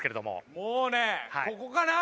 もうねここかな。